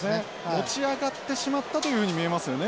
持ち上がってしまったというふうに見えますよね